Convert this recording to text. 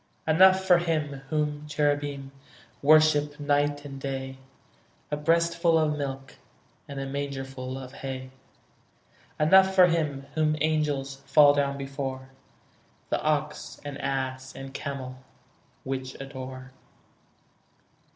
Enough for Him whom cherubim Worship night and day, A breastful of milk And a mangerful of hay; Enough for Him whom angels Fall down before, The ox and ass and camel Which adore.